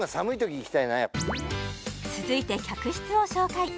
続いて客室を紹介